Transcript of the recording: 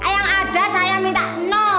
yang ada saya minta